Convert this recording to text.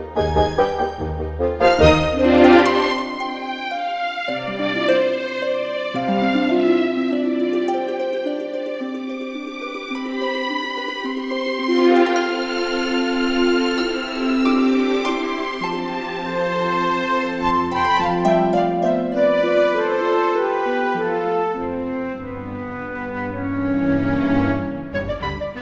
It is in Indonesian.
jangan sampai ketahuan omah